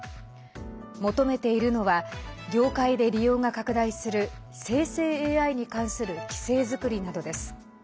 求めているのは業界で利用が拡大する生成ＡＩに関する規制づくりなどです。